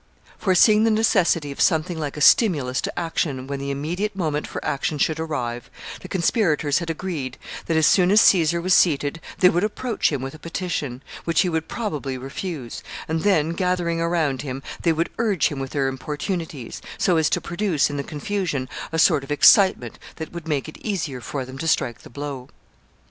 ] Foreseeing the necessity of something like a stimulus to action when the immediate moment for action should arrive, the conspirators had agreed that, as soon as Caesar was seated, they would approach him with a petition, which he would probably refuse, and then, gathering around him, they would urge him with their importunities, so as to produce, in the confusion, a sort of excitement that would make it easier for them to strike the blow.